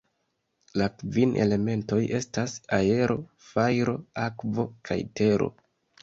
La kvin elementoj estas: Aero, Fajro, Akvo kaj Tero.